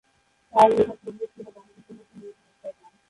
তার লেখা ‘সবুজ ছিল’ গানটির জন্য তিনি এ পুরস্কার পান।